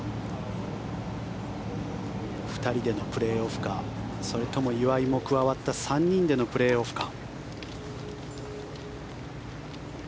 ２人でのプレーオフかそれとも岩井も加わった３人でのプレーオフか。